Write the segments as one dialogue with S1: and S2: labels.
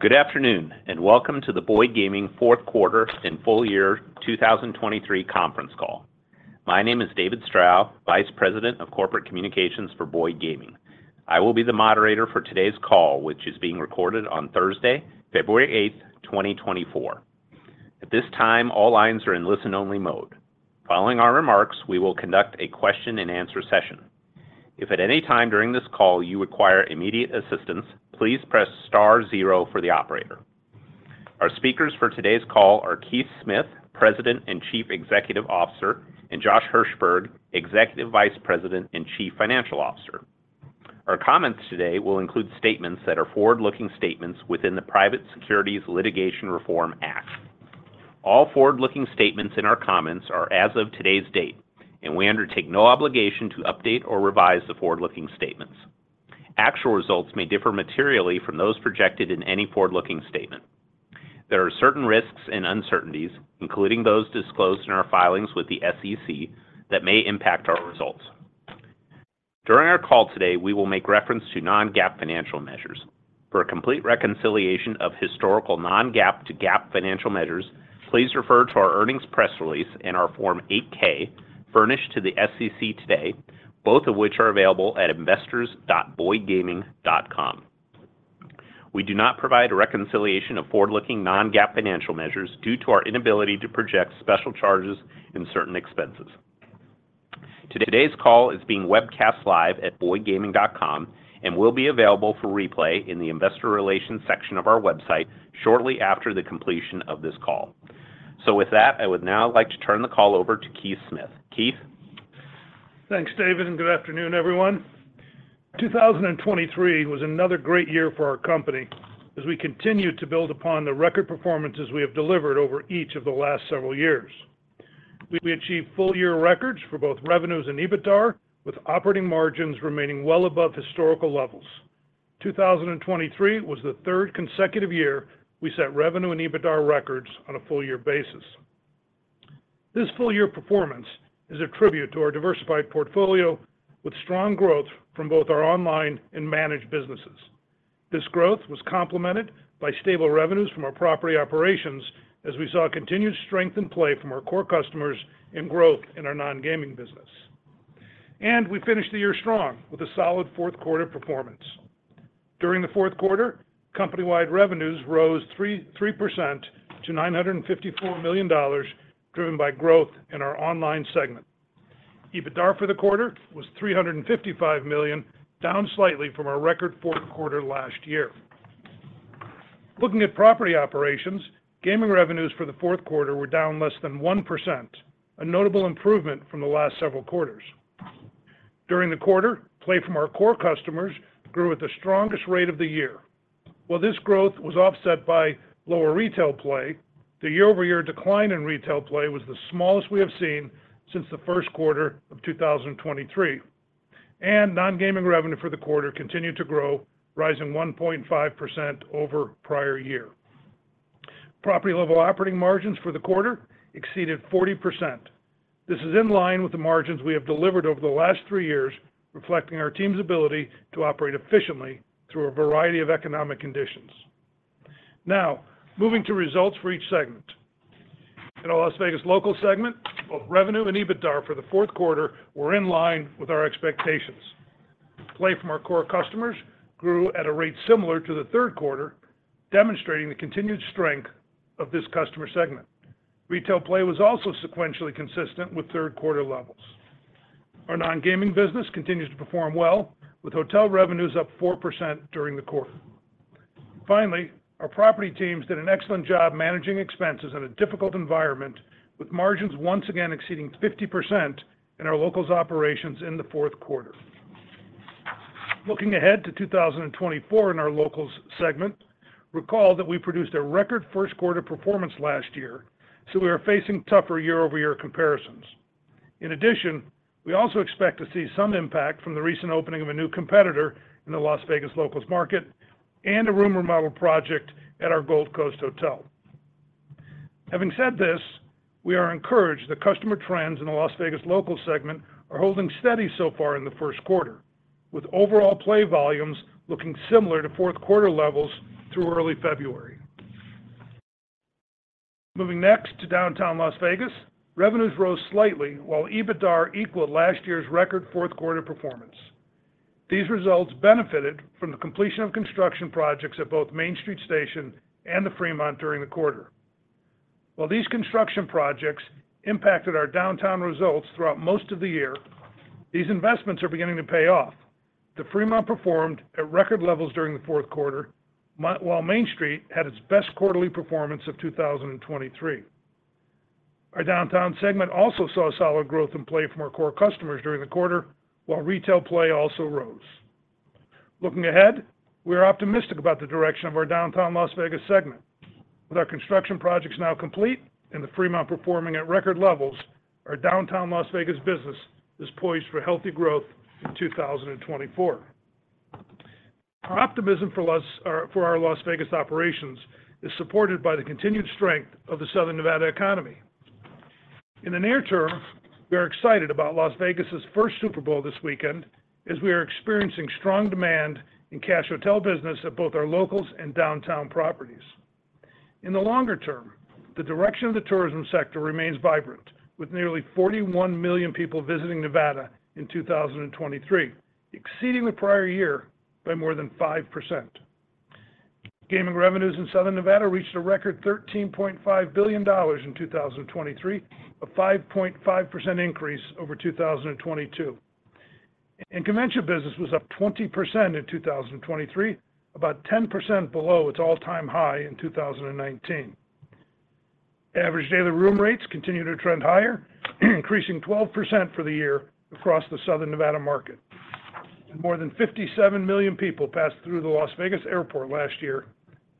S1: Good afternoon and welcome to the Boyd Gaming fourth quarter and full year 2023 conference call. My name is David Strow, Vice President of Corporate Communications for Boyd Gaming. I will be the moderator for today's call, which is being recorded on Thursday, February 8, 2024. At this time, all lines are in listen-only mode. Following our remarks, we will conduct a question-and-answer session. If at any time during this call you require immediate assistance, please press star zero for the operator. Our speakers for today's call are Keith Smith, President and Chief Executive Officer, and Josh Hirsberg, Executive Vice President and Chief Financial Officer. Our comments today will include statements that are forward-looking statements within the Private Securities Litigation Reform Act. All forward-looking statements in our comments are as of today's date, and we undertake no obligation to update or revise the forward-looking statements. Actual results may differ materially from those projected in any forward-looking statement. There are certain risks and uncertainties, including those disclosed in our filings with the SEC, that may impact our results. During our call today, we will make reference to non-GAAP financial measures. For a complete reconciliation of historical non-GAAP to GAAP financial measures, please refer to our earnings press release and our Form 8-K furnished to the SEC today, both of which are available at investors.boydgaming.com. We do not provide a reconciliation of forward-looking non-GAAP financial measures due to our inability to project special charges and certain expenses. Today's call is being webcast live at boydgaming.com and will be available for replay in the investor relations section of our website shortly after the completion of this call. So with that, I would now like to turn the call over to Keith Smith. Keith?
S2: Thanks, David, and good afternoon, everyone. 2023 was another great year for our company as we continue to build upon the record performances we have delivered over each of the last several years. We achieved full-year records for both revenues and EBITDA, with operating margins remaining well above historical levels. 2023 was the third consecutive year we set revenue and EBITDA records on a full-year basis. This full-year performance is a tribute to our diversified portfolio with strong growth from both our online and managed businesses. This growth was complemented by stable revenues from our property operations as we saw continued strength and play from our core customers and growth in our non-gaming business. We finished the year strong with a solid fourth quarter performance. During the fourth quarter, company-wide revenues rose 3% to $954 million, driven by growth in our online segment. EBITDA for the quarter was $355 million, down slightly from our record fourth quarter last year. Looking at property operations, gaming revenues for the fourth quarter were down less than 1%, a notable improvement from the last several quarters. During the quarter, play from our core customers grew at the strongest rate of the year. While this growth was offset by lower retail play, the year-over-year decline in retail play was the smallest we have seen since the first quarter of 2023. And non-gaming revenue for the quarter continued to grow, rising 1.5% over the prior year. Property-level operating margins for the quarter exceeded 40%. This is in line with the margins we have delivered over the last three years, reflecting our team's ability to operate efficiently through a variety of economic conditions. Now, moving to the results for each segment. In our Las Vegas local segment, both revenue and EBITDA for the fourth quarter were in line with our expectations. Play from our core customers grew at a rate similar to the third quarter, demonstrating the continued strength of this customer segment. Retail play was also sequentially consistent with third-quarter levels. Our non-gaming business continues to perform well, with hotel revenues up 4% during the quarter. Finally, our property teams did an excellent job managing expenses in a difficult environment, with margins once again exceeding 50% in our locals operations in the fourth quarter. Looking ahead to 2024 in our locals segment, recall that we produced a record first-quarter performance last year, so we are facing tougher year-over-year comparisons. In addition, we also expect to see some impact from the recent opening of a new competitor in the Las Vegas locals market and a room remodel project at our Gold Coast Hotel. Having said this, we are encouraged that customer trends in the Las Vegas locals segment are holding steady so far in the first quarter, with overall play volumes looking similar to fourth-quarter levels through early February. Moving next to Downtown Las Vegas, revenues rose slightly while EBITDA equaled last year's record fourth-quarter performance. These results benefited from the completion of construction projects at both Main Street Station and the Fremont during the quarter. While these construction projects impacted our Downtown results throughout most of the year, these investments are beginning to pay off. The Fremont performed at record levels during the fourth quarter, while Main Street had its best quarterly performance of 2023. Downtown Las Vegas segment also saw solid growth in play from our core customers during the quarter, while retail play also rose. Looking ahead, we are optimistic about the direction of our Downtown Las Vegas segment. With our construction projects now complete and the Fremont performing at record levels, our Downtown Las Vegas business is poised for healthy growth in 2024. Our optimism for our Las Vegas operations is supported by the continued strength of the Southern Nevada economy. In the near term, we are excited about Las Vegas's first Super Bowl this weekend as we are experiencing strong demand in cash hotel business at both our locals and Downtown properties. In the longer term, the direction of the tourism sector remains vibrant, with nearly 41 million people visiting Nevada in 2023, exceeding the prior year by more than 5%. Gaming revenues in Southern Nevada reached a record $13.5 billion in 2023, a 5.5% increase over 2022. Convention business was up 20% in 2023, about 10% below its all-time high in 2019. Average daily room rates continue to trend higher, increasing 12% for the year across the Southern Nevada market. More than 57 million people passed through the Las Vegas airport last year,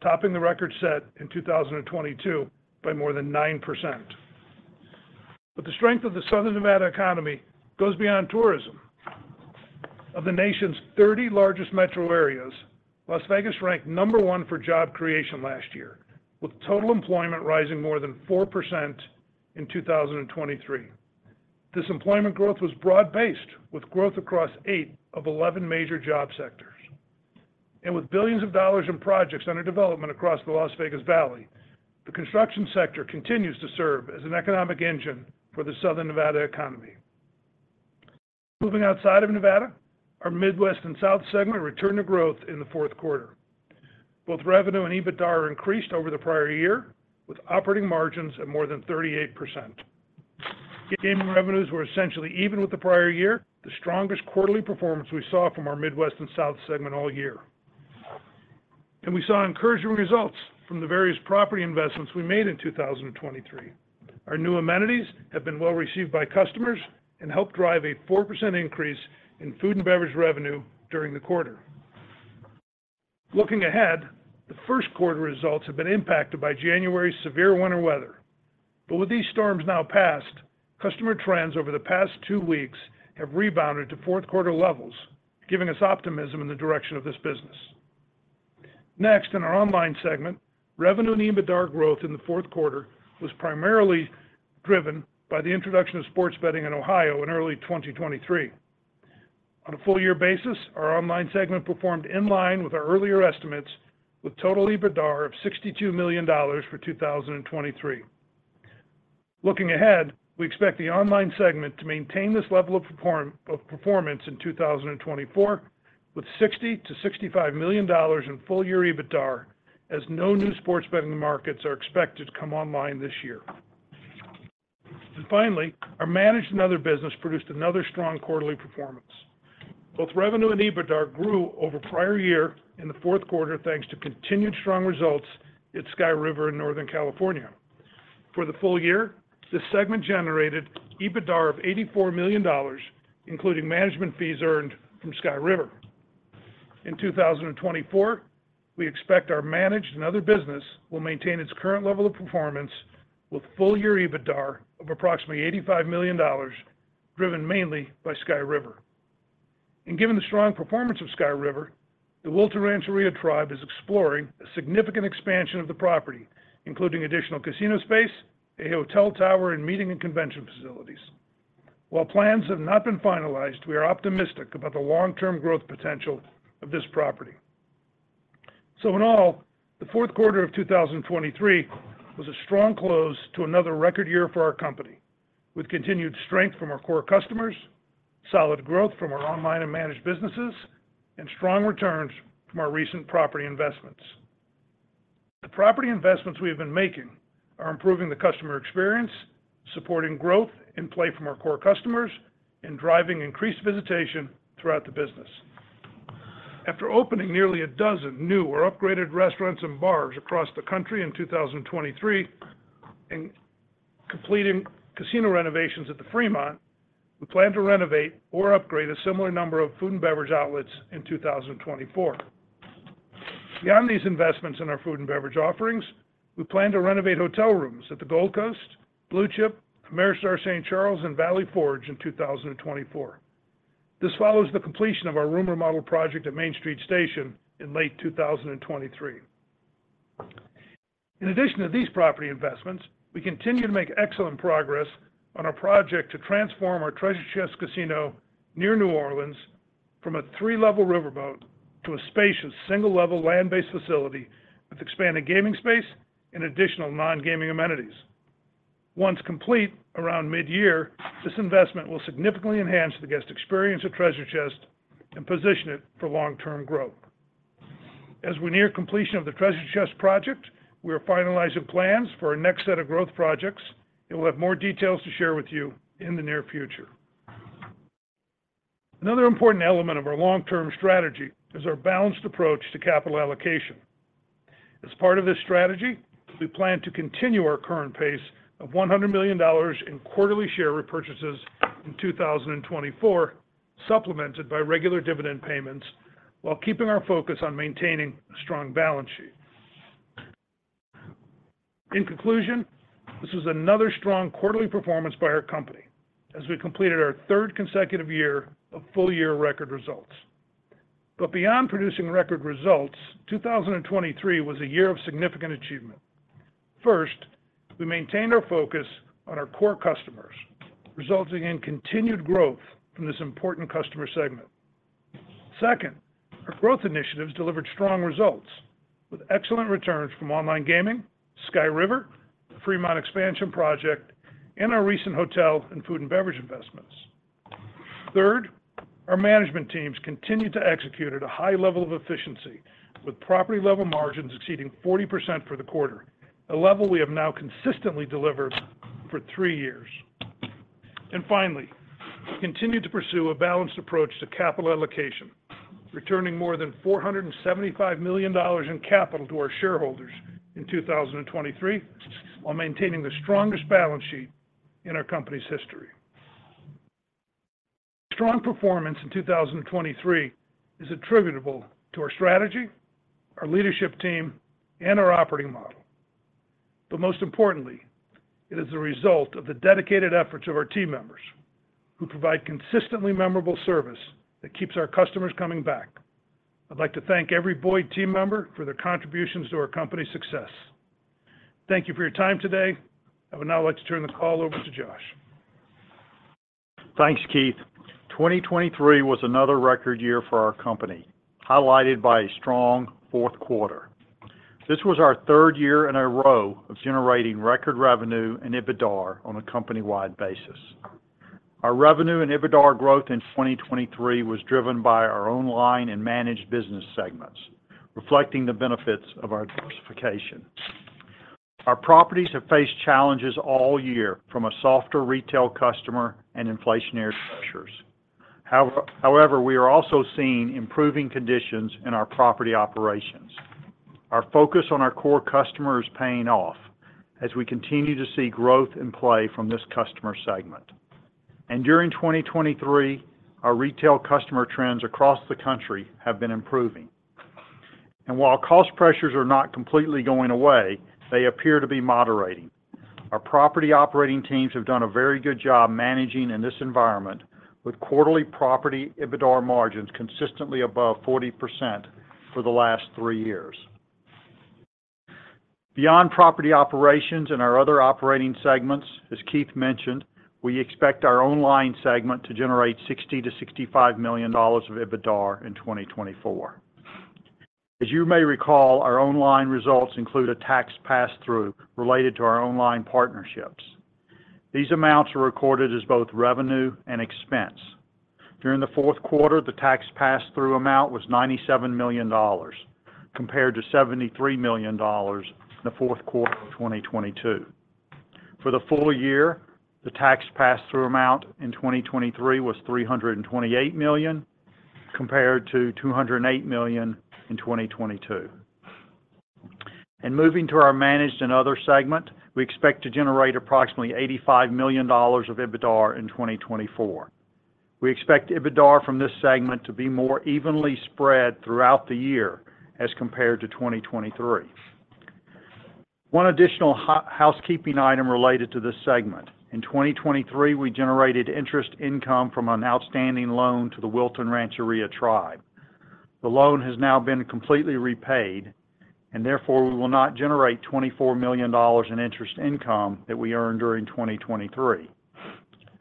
S2: topping the record set in 2022 by more than 9%. But the strength of the Southern Nevada economy goes beyond tourism. Of the nation's 30 largest metro areas, Las Vegas ranked number one for job creation last year, with total employment rising more than 4% in 2023. This employment growth was broad-based, with growth across eight of 11 major job sectors. And with billions of dollars in projects under development across the Las Vegas Valley, the construction sector continues to serve as an economic engine for the Southern Nevada economy. Moving outside of Nevada, our Midwest and South segment returned to growth in the fourth quarter. Both revenue and EBITDA increased over the prior year, with operating margins at more than 38%. Gaming revenues were essentially even with the prior year, the strongest quarterly performance we saw from our Midwest and South segment all year. We saw encouraging results from the various property investments we made in 2023. Our new amenities have been well received by customers and helped drive a 4% increase in food and beverage revenue during the quarter. Looking ahead, the first quarter results have been impacted by January's severe winter weather. But with these storms now past, customer trends over the past two weeks have rebounded to fourth-quarter levels, giving us optimism in the direction of this business. Next, in our online segment, revenue and EBITDA growth in the fourth quarter was primarily driven by the introduction of sports betting in Ohio in early 2023. On a full-year basis, our online segment performed in line with our earlier estimates, with total EBITDA of $62 million for 2023. Looking ahead, we expect the online segment to maintain this level of performance in 2024, with $60 million-$65 million in full-year EBITDA as no new sports betting markets are expected to come online this year. And finally, our managed and other business produced another strong quarterly performance. Both revenue and EBITDA grew over prior year in the fourth quarter thanks to continued strong results at Sky River in Northern California. For the full year, this segment generated EBITDA of $84 million, including management fees earned from Sky River. In 2024, we expect our managed and other business will maintain its current level of performance with full-year EBITDA of approximately $85 million, driven mainly by Sky River. And given the strong performance of Sky River, the Wilton Rancheria Tribe is exploring a significant expansion of the property, including additional casino space, a hotel tower, and meeting and convention facilities. While plans have not been finalized, we are optimistic about the long-term growth potential of this property. So in all, the fourth quarter of 2023 was a strong close to another record year for our company, with continued strength from our core customers, solid growth from our online and managed businesses, and strong returns from our recent property investments. The property investments we have been making are improving the customer experience, supporting growth and play from our core customers, and driving increased visitation throughout the business. After opening nearly a dozen new or upgraded restaurants and bars across the country in 2023 and completing casino renovations at the Fremont, we plan to renovate or upgrade a similar number of food and beverage outlets in 2024. Beyond these investments in our food and beverage offerings, we plan to renovate hotel rooms at the Gold Coast, Blue Chip, Ameristar St. Charles, and Valley Forge in 2024. This follows the completion of our room remodel project at Main Street Station in late 2023. In addition to these property investments, we continue to make excellent progress on our project to transform our Treasure Chest Casino near New Orleans from a three-level riverboat to a spacious single-level land-based facility with expanded gaming space and additional non-gaming amenities. Once complete around mid-year, this investment will significantly enhance the guest experience at Treasure Chest and position it for long-term growth. As we near completion of the Treasure Chest project, we are finalizing plans for our next set of growth projects and will have more details to share with you in the near future. Another important element of our long-term strategy is our balanced approach to capital allocation. As part of this strategy, we plan to continue our current pace of $100 million in quarterly share repurchases in 2024, supplemented by regular dividend payments, while keeping our focus on maintaining a strong balance sheet. In conclusion, this was another strong quarterly performance by our company as we completed our third consecutive year of full-year record results. Beyond producing record results, 2023 was a year of significant achievement. First, we maintained our focus on our core customers, resulting in continued growth from this important customer segment. Second, our growth initiatives delivered strong results, with excellent returns from online gaming, Sky River, the Fremont expansion project, and our recent hotel and food and beverage investments. Third, our management teams continued to execute at a high level of efficiency, with property-level margins exceeding 40% for the quarter, a level we have now consistently delivered for three years. Finally, we continued to pursue a balanced approach to capital allocation, returning more than $475 million in capital to our shareholders in 2023 while maintaining the strongest balance sheet in our company's history. Strong performance in 2023 is attributable to our strategy, our leadership team, and our operating model. But most importantly, it is the result of the dedicated efforts of our team members, who provide consistently memorable service that keeps our customers coming back. I'd like to thank every Boyd team member for their contributions to our company's success. Thank you for your time today. I would now like to turn the call over to Josh.
S3: Thanks, Keith. 2023 was another record year for our company, highlighted by a strong fourth quarter. This was our third year in a row of generating record revenue and EBITDA on a company-wide basis. Our revenue and EBITDA growth in 2023 were driven by our online and managed business segments, reflecting the benefits of our diversification. Our properties have faced challenges all year, from a softer retail customer and inflationary pressures. However, we are also seeing improving conditions in our property operations. Our focus on our core customer is paying off as we continue to see growth in play from this customer segment. And during 2023, our retail customer trends across the country have been improving. And while cost pressures are not completely going away, they appear to be moderating. Our property operating teams have done a very good job managing in this environment, with quarterly property EBITDA margins consistently above 40% for the last three years. Beyond property operations and our other operating segments, as Keith mentioned, we expect our online segment to generate $60 million-$65 million of EBITDA in 2024. As you may recall, our online results include a tax pass-through related to our online partnerships. These amounts are recorded as both revenue and expense. During the fourth quarter, the tax pass-through amount was $97 million, compared to $73 million in the fourth quarter of 2022. For the full year, the tax pass-through amount in 2023 was $328 million, compared to $208 million in 2022. And moving to our managed and other segment, we expect to generate approximately $85 million of EBITDA in 2024. We expect EBITDA from this segment to be more evenly spread throughout the year as compared to 2023. One additional housekeeping item related to this segment: in 2023, we generated interest income from an outstanding loan to the Wilton Rancheria Tribe. The loan has now been completely repaid, and therefore we will not generate $24 million in interest income that we earned during 2023.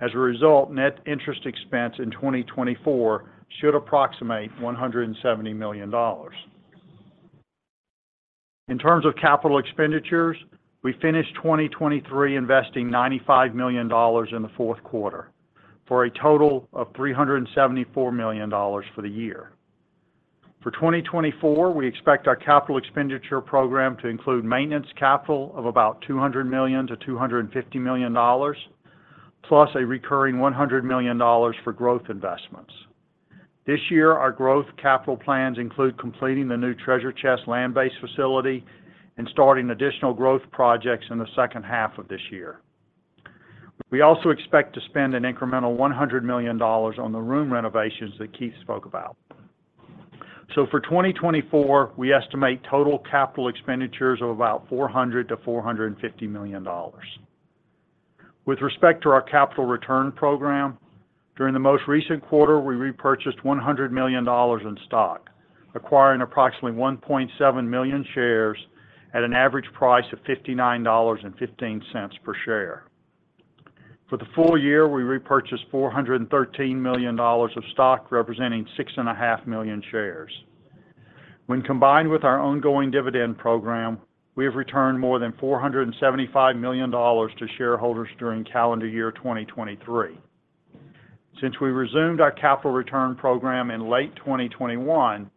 S3: As a result, net interest expense in 2024 should approximate $170 million. In terms of capital expenditures, we finished 2023 investing $95 million in the fourth quarter, for a total of $374 million for the year. For 2024, we expect our capital expenditure program to include maintenance capital of about $200 million-$250 million, plus a recurring $100 million for growth investments. This year, our growth capital plans include completing the new Treasure Chest land-based facility and starting additional growth projects in the second half of this year. We also expect to spend an incremental $100 million on the room renovations that Keith spoke about. So for 2024, we estimate total capital expenditures of about $400 million-$450 million. With respect to our capital return program, during the most recent quarter, we repurchased $100 million in stock, acquiring approximately 1.7 million shares at an average price of $59.15 per share. For the full year, we repurchased $413 million of stock, representing 6.5 million shares. When combined with our ongoing dividend program, we have returned more than $475 million to shareholders during calendar year 2023. Since we resumed our capital return program in late 2021,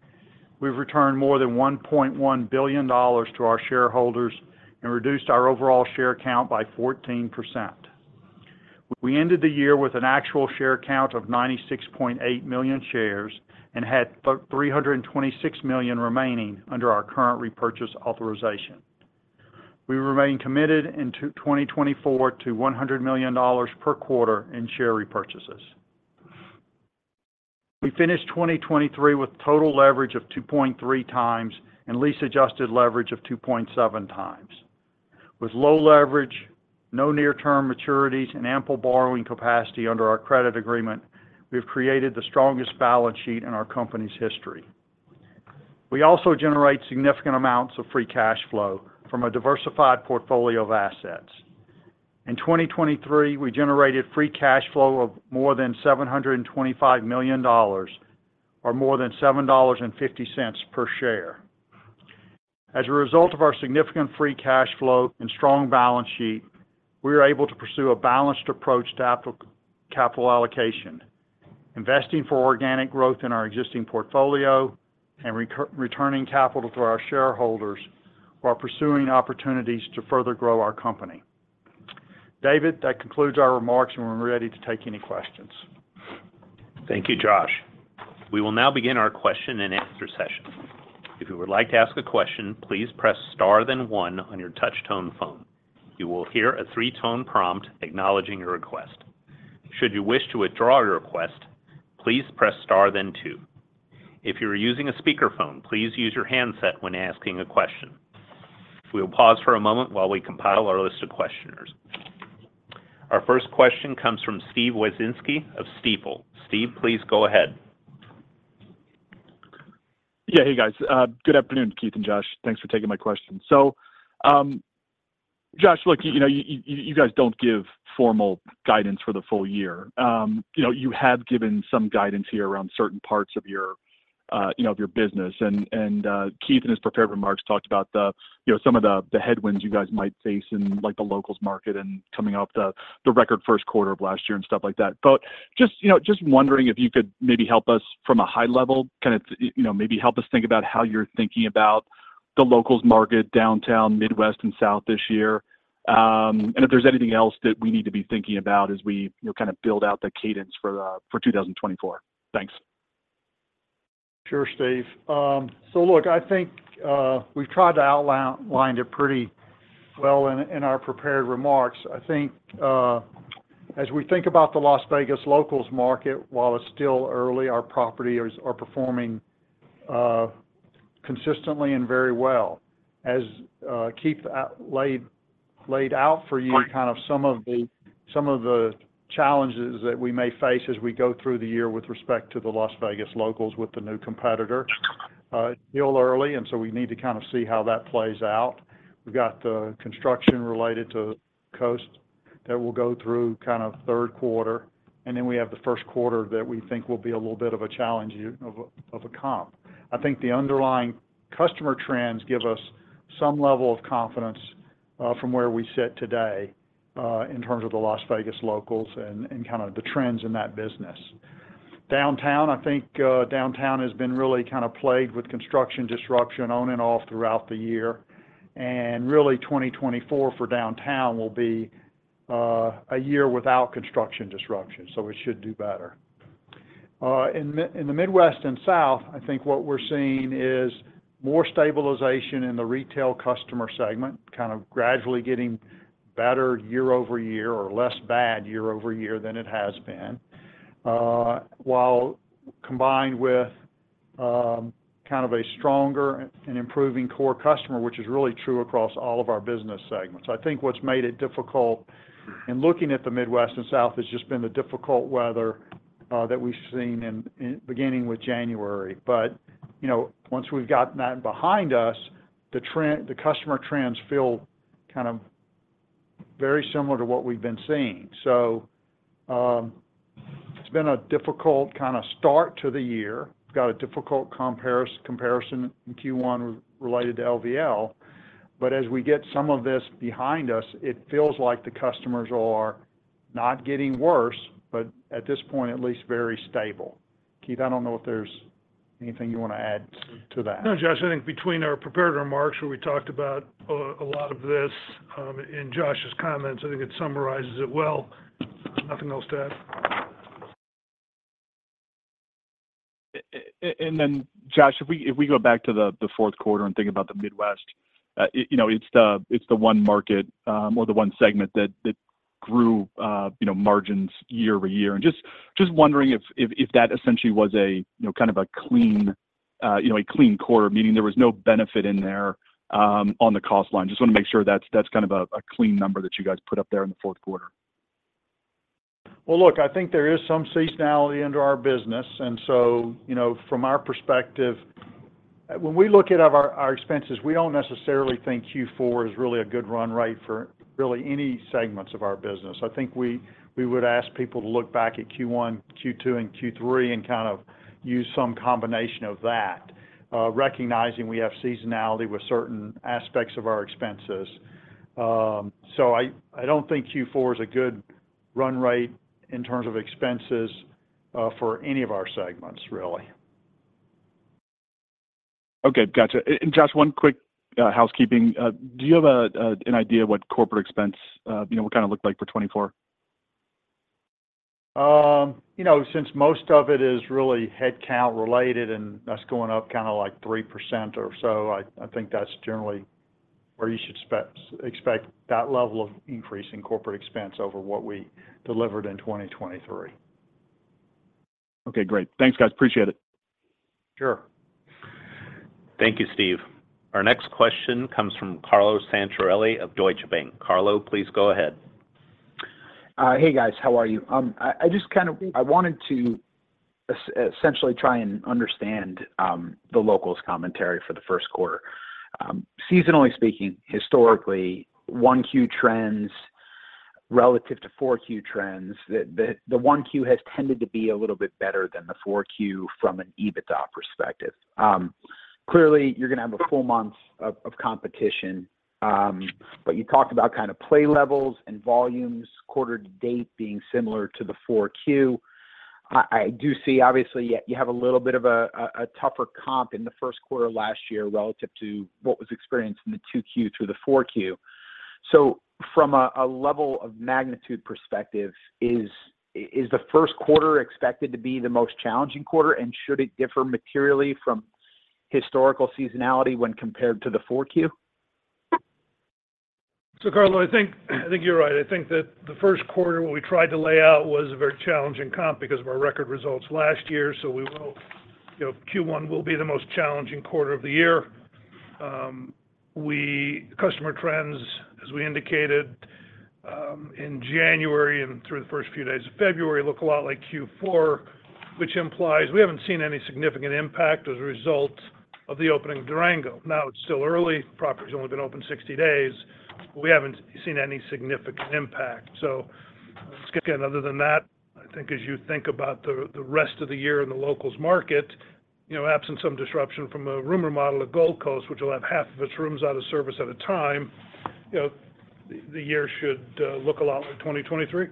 S3: we've returned more than $1.1 billion to our shareholders and reduced our overall share count by 14%. We ended the year with an actual share count of 96.8 million shares and had 326 million remaining under our current repurchase authorization. We remain committed in 2024 to $100 million per quarter in share repurchases. We finished 2023 with total leverage of 2.3x and lease-adjusted leverage of 2.7x. With low leverage, no near-term maturities, and ample borrowing capacity under our credit agreement, we have created the strongest balance sheet in our company's history. We also generate significant amounts of free cash flow from a diversified portfolio of assets. In 2023, we generated free cash flow of more than $725 million, or more than $7.50 per share. As a result of our significant free cash flow and strong balance sheet, we are able to pursue a balanced approach to capital allocation, investing for organic growth in our existing portfolio and returning capital to our shareholders while pursuing opportunities to further grow our company. David, that concludes our remarks, and we're ready to take any questions.
S1: Thank you, Josh. We will now begin our question-and-answer session. If you would like to ask a question, please press star then one on your touch-tone phone. You will hear a three-tone prompt acknowledging your request. Should you wish to withdraw your request, please press star then two. If you are using a speakerphone, please use your handset when asking a question. We will pause for a moment while we compile our list of questioners. Our first question comes from Steve Wieczynski of Stifel. Steve, please go ahead.
S4: Yeah, hey guys. Good afternoon, Keith and Josh. Thanks for taking my question. So, Josh, look, you guys don't give formal guidance for the full year. You have given some guidance here around certain parts of your business. Keith and his prepared remarks talked about some of the headwinds you guys might face in the locals market and coming off the record first quarter of last year and stuff like that. But just wondering if you could maybe help us from a high level, kind of maybe help us think about how you're thinking about the locals market, Downtown, Midwest, and South this year, and if there's anything else that we need to be thinking about as we kind of build out the cadence for 2024?
S3: Thanks. Sure, Steve. So look, I think we've tried to outline it pretty well in our prepared remarks. I think as we think about the Las Vegas locals market, while it's still early, our property is performing consistently and very well. As Keith laid out for you, kind of some of the challenges that we may face as we go through the year with respect to the Las Vegas locals with the new competitor, it's still early, and so we need to kind of see how that plays out. We've got the construction related to the Gold Coast that we'll go through kind of third quarter. Then we have the first quarter that we think will be a little bit of a challenge of a comp. I think the underlying customer trends give us some level of confidence from where we sit today in terms of the Las Vegas Locals and kind of the trends in that business. Downtown, I think Downtown has been really kind of plagued with construction disruption on and off throughout the year. Really, 2024 for Downtown will be a year without construction disruption, so it should do better. In the Midwest and South, I think what we're seeing is more stabilization in the retail customer segment, kind of gradually getting better year-over-year or less bad year-over-year than it has been, while combined with kind of a stronger and improving core customer, which is really true across all of our business segments. I think what's made it difficult in looking at the Midwest and South has just been the difficult weather that we've seen beginning with January. But once we've gotten that behind us, the customer trends feel kind of very similar to what we've been seeing. So it's been a difficult kind of start to the year. We've got a difficult comparison in Q1 related to LVL. But as we get some of this behind us, it feels like the customers are not getting worse, but at this point, at least very stable. Keith, I don't know if there's anything you want to add to that.
S2: No, Josh, I think between our prepared remarks, where we talked about a lot of this in Josh's comments, I think it summarizes it well. Nothing else to add.
S4: And then, Josh, if we go back to the fourth quarter and think about the Midwest, it's the one market or the one segment that grew margins year-over-year. And just wondering if that essentially was kind of a clean quarter, meaning there was no benefit in there on the cost line. Just want to make sure that's kind of a clean number that you guys put up there in the fourth quarter.
S3: Well, look, I think there is some seasonality into our business. And so from our perspective, when we look at our expenses, we don't necessarily think Q4 is really a good run rate for really any segments of our business. I think we would ask people to look back at Q1, Q2, and Q3 and kind of use some combination of that, recognizing we have seasonality with certain aspects of our expenses. So I don't think Q4 is a good run rate in terms of expenses for any of our segments, really.
S4: Okay, gotcha. And Josh, one quick housekeeping. Do you have an idea what corporate expense would kind of look like for 2024?
S3: Since most of it is really headcount-related and that's going up kind of like 3% or so, I think that's generally where you should expect that level of increase in corporate expense over what we delivered in 2023.
S4: Okay, great. Thanks, guys. Appreciate it.
S3: Sure.
S1: Thank you, Steve. Our next question comes from Carlo Santarelli of Deutsche Bank. Carlo, please go ahead.
S5: Hey, guys. How are you? I just kind of wanted to essentially try and understand the locals commentary for the first quarter. Seasonally speaking, historically, 1Q trends relative to 4Q trends, the 1Q has tended to be a little bit better than the 4Q from an EBITDA perspective. Clearly, you're going to have a full month of competition, but you talked about kind of play levels and volumes, quarter to date being similar to the 4Q. I do see, obviously, you have a little bit of a tougher comp in the first quarter last year relative to what was experienced in the 2Q through the 4Q. So from a level of magnitude perspective, is the first quarter expected to be the most challenging quarter, and should it differ materially from historical seasonality when compared to the Q4?
S2: So Carlo, I think you're right. I think that the first quarter, what we tried to lay out was a very challenging comp because of our record results last year. So Q1 will be the most challenging quarter of the year. Customer trends, as we indicated in January and through the first few days of February, look a lot like Q4, which implies we haven't seen any significant impact as a result of the opening Durango. Now it's still early. Property's only been open 60 days, but we haven't seen any significant impact. So again, other than that, I think as you think about the rest of the year in the locals market, absent some disruption from a room remodel of Gold Coast, which will have half of its rooms out of service at a time, the year should look a lot like 2023.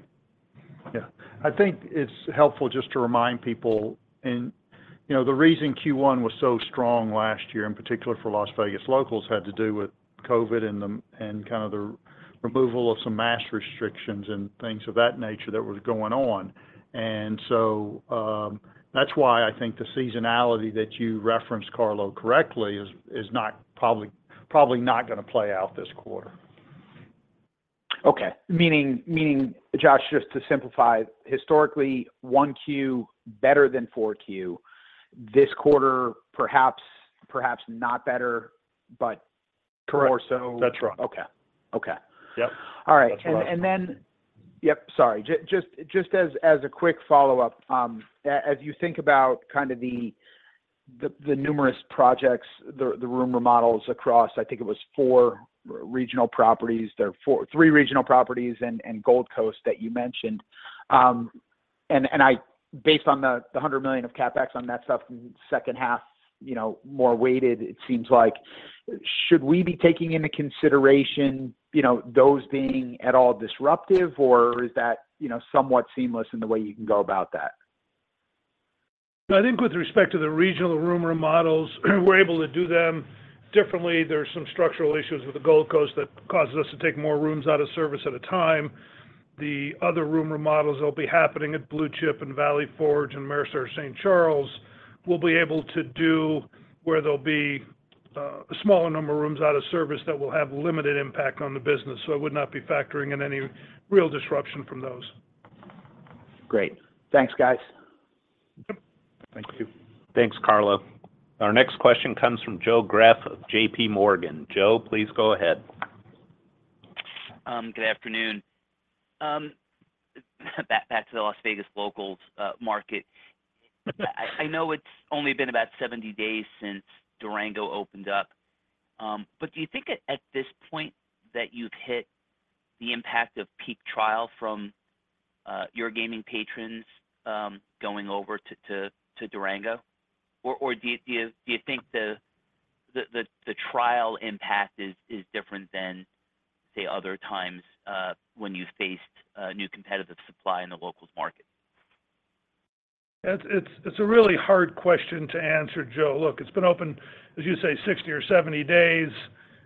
S3: Yeah. I think it's helpful just to remind people. And the reason Q1 was so strong last year, in particular for Las Vegas locals, had to do with COVID and kind of the removal of some mask restrictions and things of that nature that were going on. And so that's why I think the seasonality that you referenced, Carlo, correctly is probably not going to play out this quarter.
S5: Okay. Meaning, Josh, just to simplify, historically, 1Q better than 4Q, this quarter perhaps not better, but more so.
S3: That's right. Okay. Okay. Yep. All right. That's right.
S5: Yep. Sorry. Just as a quick follow-up, as you think about kind of the numerous projects, the room remodels across, I think it was four regional properties. There are three regional properties and Gold Coast that you mentioned. Based on the $100 million of CapEx on that stuff and second half more weighted, it seems like, should we be taking into consideration those being at all disruptive, or is that somewhat seamless in the way you can go about that?
S2: I think with respect to the regional room remodels, we're able to do them differently. There are some structural issues with the Gold Coast that causes us to take more rooms out of service at a time. The other room remodels that'll be happening at Blue Chip and Valley Forge and Ameristar St. Charles will be able to do where there'll be a smaller number of rooms out of service that will have limited impact on the business. So I would not be factoring in any real disruption from those.
S5: Great. Thanks, guys.
S3: Thank you.
S1: Thanks, Carlo. Our next question comes from Joe Greff of JPMorgan. Joe, please go ahead.
S6: Good afternoon. Back to the Las Vegas Locals market. I know it's only been about 70 days since Durango opened up, but do you think at this point that you've hit the impact of peak trial from your gaming patrons going over to Durango? Or do you think the trial impact is different than, say, other times when you faced new competitive supply in the Locals market?
S2: It's a really hard question to answer, Joe. Look, it's been open, as you say, 60 or 70 days.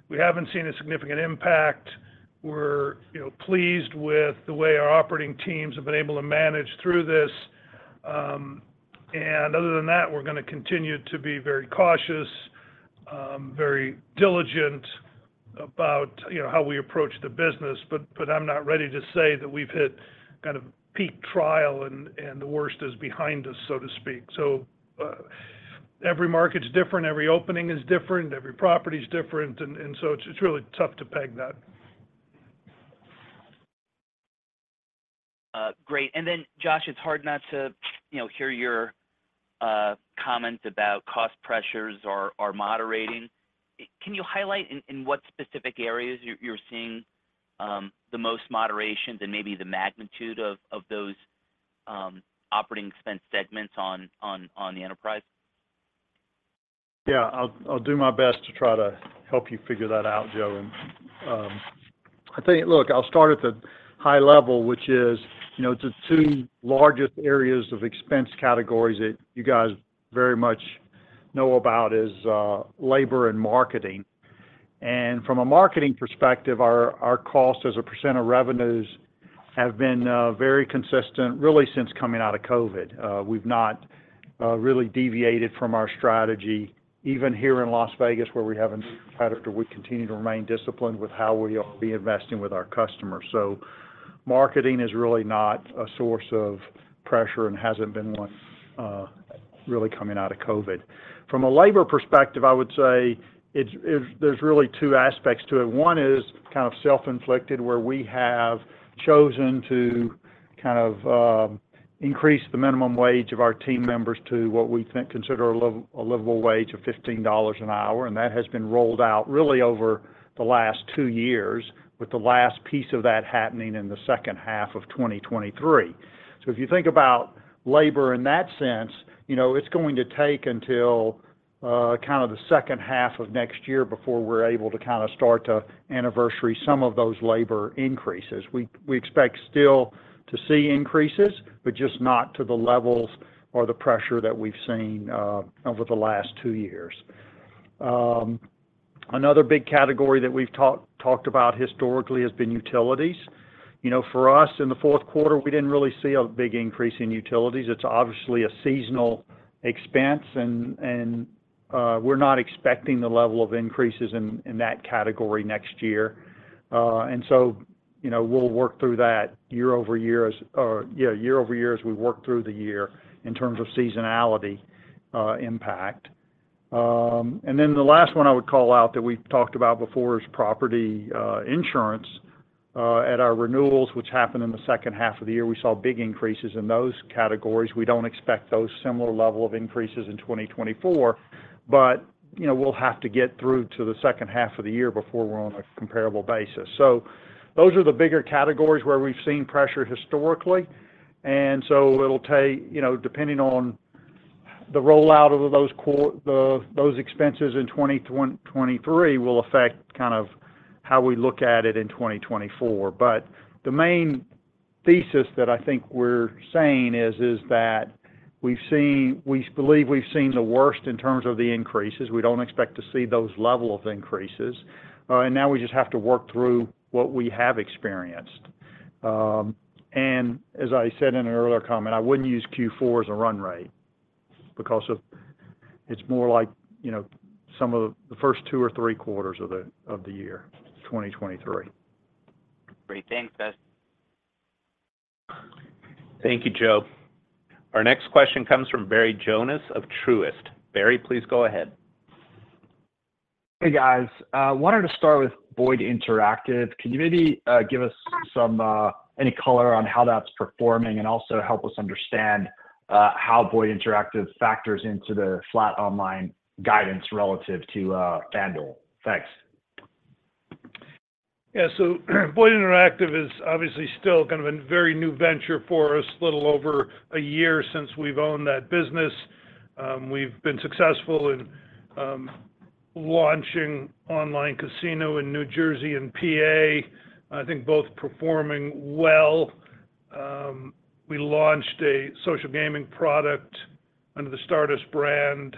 S2: We haven't seen a significant impact. We're pleased with the way our operating teams have been able to manage through this. And other than that, we're going to continue to be very cautious, very diligent about how we approach the business. But I'm not ready to say that we've hit kind of peak trial and the worst is behind us, so to speak. So every market's different. Every opening is different. Every property's different. And so it's really tough to peg that.
S6: Great. And then, Josh, it's hard not to hear your comments about cost pressures are moderating. Can you highlight in what specific areas you're seeing the most moderation and maybe the magnitude of those operating expense segments on the enterprise?
S3: Yeah. I'll do my best to try to help you figure that out, Joe. And I think, look, I'll start at the high level, which is the two largest areas of expense categories that you guys very much know about is labor and marketing. And from a marketing perspective, our costs as a % of revenues have been very consistent, really, since coming out of COVID. We've not really deviated from our strategy, even here in Las Vegas where we have a new competitor. We continue to remain disciplined with how we are reinvesting with our customers. So marketing is really not a source of pressure and hasn't been one really coming out of COVID. From a labor perspective, I would say there's really two aspects to it. One is kind of self-inflicted, where we have chosen to kind of increase the minimum wage of our team members to what we consider a livable wage of $15 an hour. That has been rolled out really over the last two years, with the last piece of that happening in the second half of 2023. So if you think about labor in that sense, it's going to take until kind of the second half of next year before we're able to kind of start to anniversary some of those labor increases. We expect still to see increases, but just not to the levels or the pressure that we've seen over the last two years. Another big category that we've talked about historically has been utilities. For us, in the fourth quarter, we didn't really see a big increase in utilities. It's obviously a seasonal expense, and we're not expecting the level of increases in that category next year. We'll work through that year-over-year or yeah, year-over-year as we work through the year in terms of seasonality impact. Then the last one I would call out that we've talked about before is property insurance. At our renewals, which happened in the second half of the year, we saw big increases in those categories. We don't expect those similar level of increases in 2024, but we'll have to get through to the second half of the year before we're on a comparable basis. So those are the bigger categories where we've seen pressure historically. And so it'll take, depending on the rollout of those expenses in 2023, will affect kind of how we look at it in 2024. But the main thesis that I think we're saying is that we believe we've seen the worst in terms of the increases. We don't expect to see those levels of increases. Now we just have to work through what we have experienced. As I said in an earlier comment, I wouldn't use Q4 as a run rate because it's more like some of the first two or three quarters of the year, 2023.
S6: Great. Thanks, guys.
S1: Thank you, Joe. Our next question comes from Barry Jonas of Truist. Barry, please go ahead.
S7: Hey, guys. Wanted to start with Boyd Interactive. Can you maybe give us any color on how that's performing and also help us understand how Boyd Interactive factors into the flat online guidance relative to FanDuel?
S2: Thanks. Yeah. So Boyd Interactive is obviously still kind of a very new venture for us, a little over a year since we've owned that business. We've been successful in launching online casino in New Jersey and PA. I think both performing well. We launched a social gaming product under the Stardust brand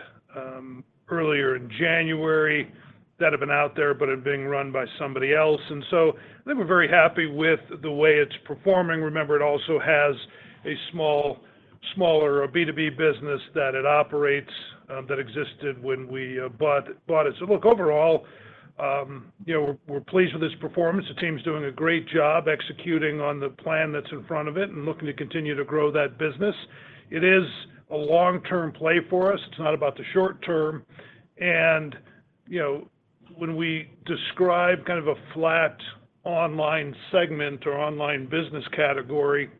S2: earlier in January that had been out there but had been run by somebody else. And so I think we're very happy with the way it's performing. Remember, it also has a smaller B2B business that it operates that existed when we bought it. So look, overall, we're pleased with its performance. The team's doing a great job executing on the plan that's in front of it and looking to continue to grow that business. It is a long-term play for us. It's not about the short term. And when we describe kind of a flat online segment or online business category,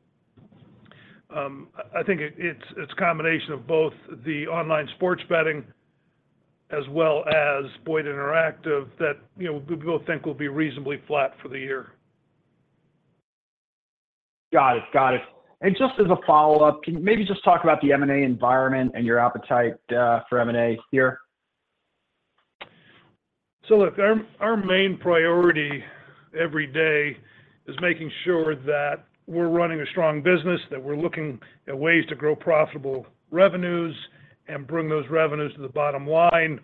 S2: I think it's a combination of both the online sports betting as well as Boyd Interactive that we both think will be reasonably flat for the year.
S7: Got it. Got it. And just as a follow-up, can you maybe just talk about the M&A environment and your appetite for M&A here?
S2: So look, our main priority every day is making sure that we're running a strong business, that we're looking at ways to grow profitable revenues and bring those revenues to the bottom line,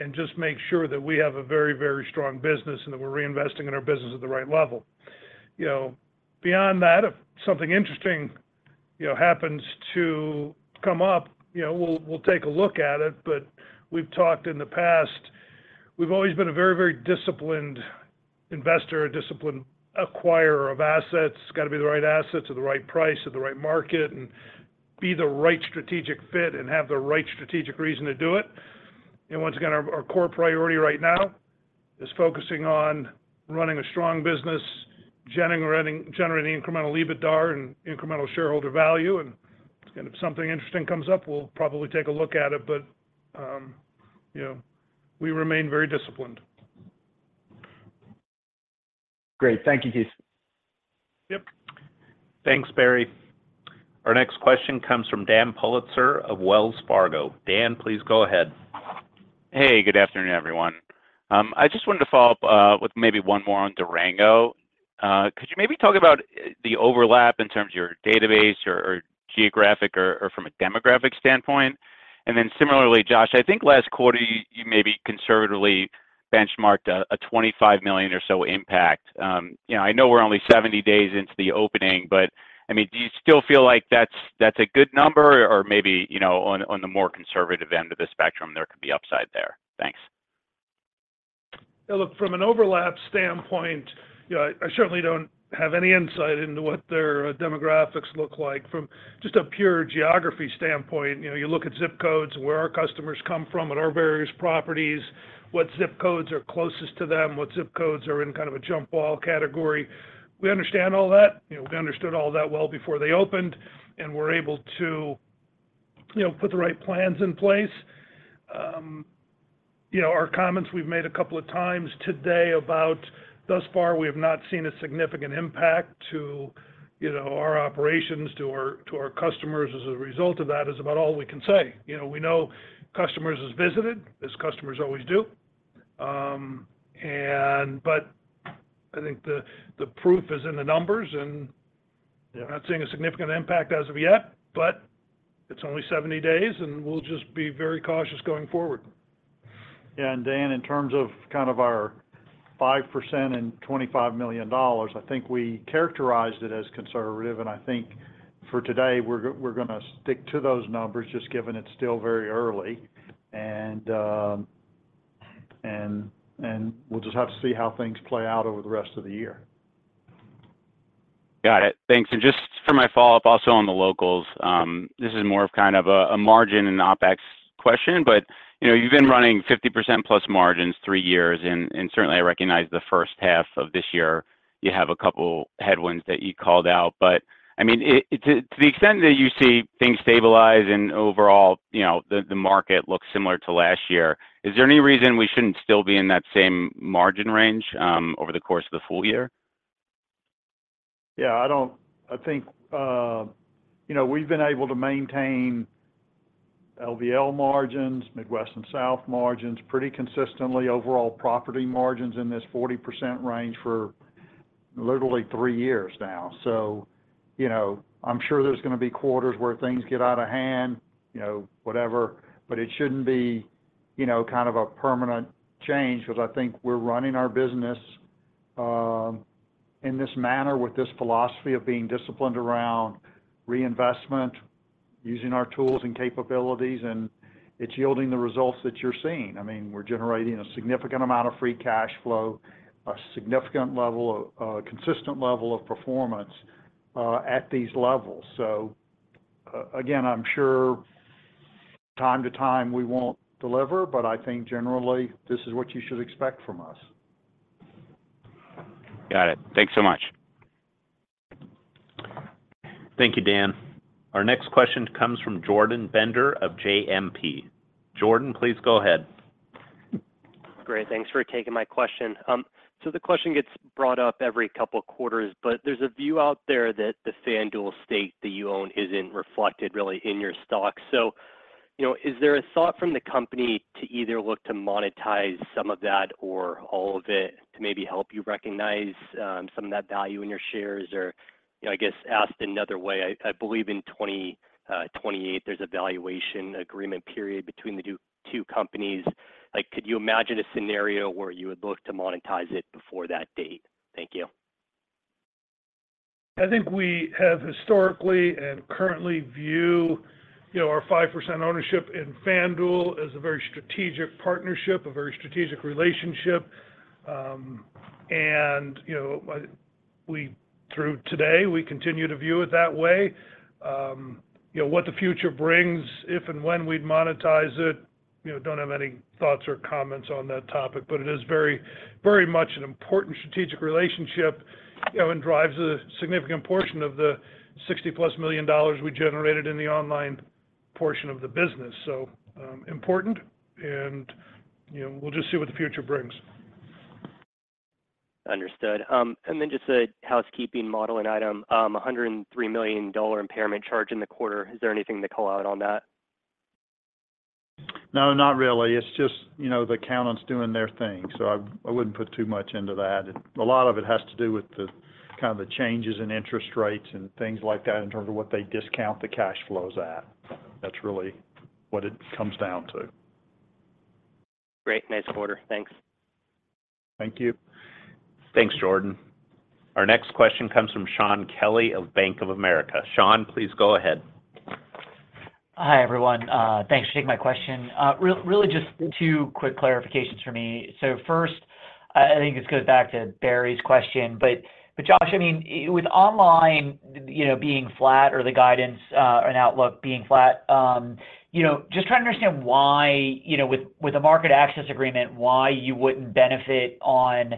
S2: and just make sure that we have a very, very strong business and that we're reinvesting in our business at the right level. Beyond that, if something interesting happens to come up, we'll take a look at it. But we've talked in the past, we've always been a very, very disciplined investor, a disciplined acquirer of assets. It's got to be the right assets at the right price at the right market and be the right strategic fit and have the right strategic reason to do it. And once again, our core priority right now is focusing on running a strong business, generating incremental EBITDA and incremental shareholder value. And if something interesting comes up, we'll probably take a look at it. But we remain very disciplined.
S7: Great. Thank you, Keith.
S2: Yep.
S1: Thanks, Barry. Our next question comes from Dan Politzer of Wells Fargo. Dan, please go ahead.
S8: Hey. Good afternoon, everyone. I just wanted to follow up with maybe one more on Durango. Could you maybe talk about the overlap in terms of your database or geographic or from a demographic standpoint? And then similarly, Josh, I think last quarter, you maybe conservatively benchmarked a $25 million or so impact. I know we're only 70 days into the opening, but I mean, do you still feel like that's a good number, or maybe on the more conservative end of the spectrum, there could be upside there? Thanks.
S2: Yeah. Look, from an overlap standpoint, I certainly don't have any insight into what their demographics look like. From just a pure geography standpoint, you look at zip codes and where our customers come from at our various properties, what zip codes are closest to them, what zip codes are in kind of a jump ball category. We understand all that. We understood all that well before they opened, and we're able to put the right plans in place. Our comments we've made a couple of times today about thus far, we have not seen a significant impact to our operations, to our customers as a result of that. That is about all we can say. We know customers have visited, as customers always do. But I think the proof is in the numbers, and we're not seeing a significant impact as of yet. But it's only 70 days, and we'll just be very cautious going forward.
S3: Yeah. And Dan, in terms of kind of our 5% and $25 million, I think we characterized it as conservative. And I think for today, we're going to stick to those numbers just given it's still very early. And we'll just have to see how things play out over the rest of the year.
S8: Got it. Thanks. And just for my follow-up also on the locals, this is more of kind of a margin and OpEx question. But you've been running 50%-plus margins three years. And certainly, I recognize the first half of this year, you have a couple headwinds that you called out. But I mean, to the extent that you see things stabilize and overall the market looks similar to last year, is there any reason we shouldn't still be in that same margin range over the course of the full year?
S3: Yeah. I think we've been able to maintain LVL margins, Midwest and South margins pretty consistently, overall property margins in this 40% range for literally three years now. So I'm sure there's going to be quarters where things get out of hand, whatever. But it shouldn't be kind of a permanent change because I think we're running our business in this manner with this philosophy of being disciplined around reinvestment, using our tools and capabilities, and it's yielding the results that you're seeing. I mean, we're generating a significant amount of free cash flow, a significant level, a consistent level of performance at these levels. So again, from time to time, we won't deliver, but I think generally, this is what you should expect from us.
S8: Got it. Thanks so much.
S1: Thank you, Dan. Our next question comes from Jordan Bender of JMP. Jordan, please go ahead.
S9: Great. Thanks for taking my question. So the question gets brought up every couple of quarters, but there's a view out there that the FanDuel stake that you own isn't reflected really in your stocks. So is there a thought from the company to either look to monetize some of that or all of it to maybe help you recognize some of that value in your shares or, I guess, asked another way, I believe in 2028, there's a valuation agreement period between the two companies. Could you imagine a scenario where you would look to monetize it before that date? Thank you.
S2: I think we have historically and currently view our 5% ownership in FanDuel as a very strategic partnership, a very strategic relationship. And through today, we continue to view it that way. What the future brings, if and when we'd monetize it, don't have any thoughts or comments on that topic. But it is very much an important strategic relationship and drives a significant portion of the $60+ million we generated in the online portion of the business. So important, and we'll just see what the future brings.
S9: Understood. And then just a housekeeping matter and item, $103 million impairment charge in the quarter. Is there anything to call out on that?
S3: No, not really. It's just the accountants doing their thing. So I wouldn't put too much into that. A lot of it has to do with kind of the changes in interest rates and things like that in terms of what they discount the cash flows at. That's really what it comes down to.
S9: Great. Nice quarter. Thanks.
S3: Thank you.
S1: Thanks, Jordan. Our next question comes from Shaun Kelley of Bank of America. Shaun, please go ahead.
S10: Hi, everyone. Thanks for taking my question. Really just two quick clarifications for me. So first, I think this goes back to Barry's question. But Josh, I mean, with online being flat or the guidance and outlook being flat, just trying to understand why with a market access agreement, why you wouldn't benefit on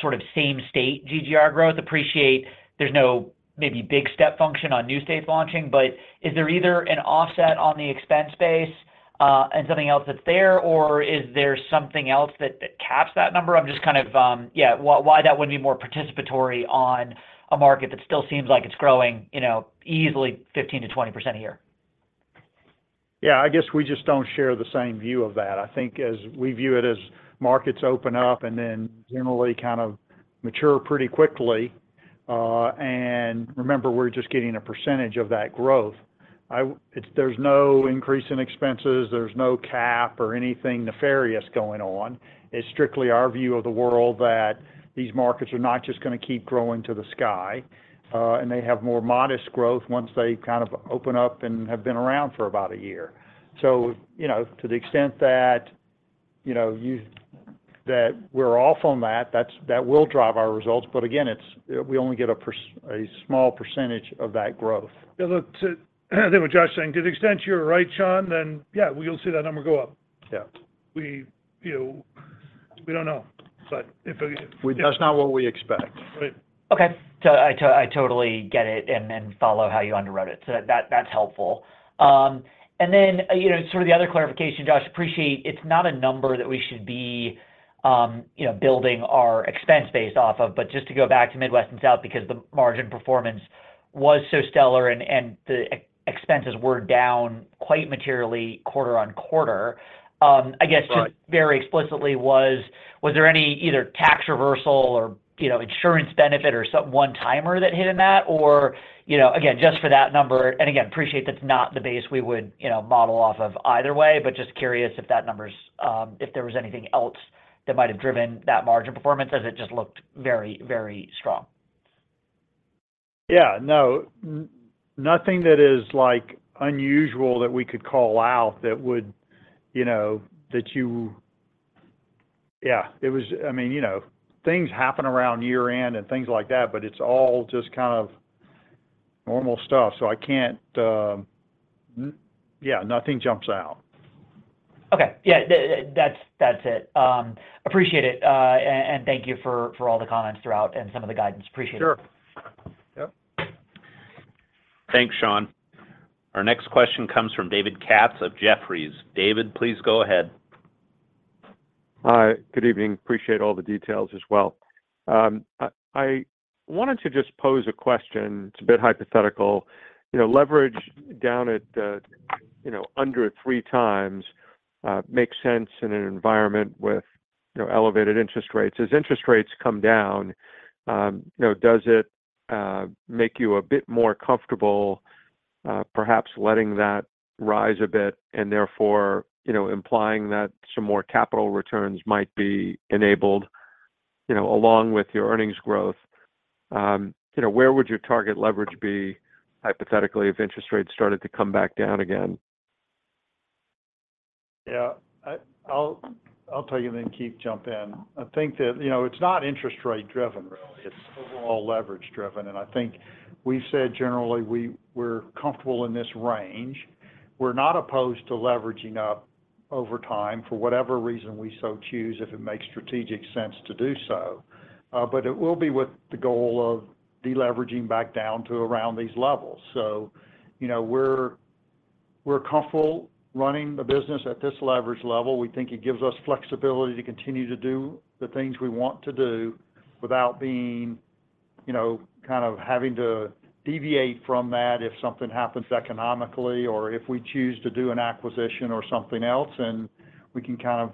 S10: sort of same-state GGR growth? Appreciate there's no maybe big step function on new-state launching, but is there either an offset on the expense base and something else that's there, or is there something else that caps that number? I'm just kind of, yeah, why that wouldn't be more participatory on a market that still seems like it's growing easily 15%-20% a year.
S3: Yeah. I guess we just don't share the same view of that. I think we view it as markets open up and then generally kind of mature pretty quickly. And remember, we're just getting a percentage of that growth. There's no increase in expenses. There's no cap or anything nefarious going on. It's strictly our view of the world that these markets are not just going to keep growing to the sky, and they have more modest growth once they kind of open up and have been around for about a year. So to the extent that we're off on that, that will drive our results. But again, we only get a small percentage of that growth.
S2: Yeah. Look, I think what Josh is saying, to the extent you're right, Shaun, then yeah, you'll see that number go up. Yeah. We don't know. But if.
S3: That's not what we expect.
S2: Right.
S10: Okay. I totally get it and follow how you underwrote it. So that's helpful. And then sort of the other clarification, Josh, appreciate it's not a number that we should be building our expense base off of. But just to go back to the Midwest and South because the margin performance was so stellar and the expenses were down quite materially quarter-over-quarter. I guess just very explicitly, was there any either tax reversal or insurance benefit or one-timer that hit in that? Or again, just for that number and again, appreciate that's not the base we would model off of either way, but just curious if there was anything else that might have driven that margin performance, as it just looked very, very strong.
S3: Yeah. No. Nothing that is unusual that we could call out that would that you yeah. I mean, things happen around year-end and things like that, but it's all just kind of normal stuff. So yeah, nothing jumps out.
S10: Okay. Yeah. That's it. Appreciate it. And thank you for all the comments throughout and some of the guidance. Appreciate it.
S3: Sure.
S2: Yep.
S1: Thanks, Shaun. Our next question comes from David Katz of Jefferies. David, please go ahead.
S11: Hi. Good evening. Appreciate all the details as well. I wanted to just pose a question. It's a bit hypothetical. Leverage down at under 3x makes sense in an environment with elevated interest rates. As interest rates come down, does it make you a bit more comfortable perhaps letting that rise a bit and therefore implying that some more capital returns might be enabled along with your earnings growth? Where would your target leverage be hypothetically if interest rates started to come back down again?
S3: Yeah. I'll tell you then Keith jump in. I think that it's not interest rate-driven really. It's overall leverage-driven. And I think we've said generally, we're comfortable in this range. We're not opposed to leveraging up over time for whatever reason we so choose if it makes strategic sense to do so. But it will be with the goal of deleveraging back down to around these levels. So we're comfortable running the business at this leverage level. We think it gives us flexibility to continue to do the things we want to do without being kind of having to deviate from that if something happens economically or if we choose to do an acquisition or something else. And we can kind of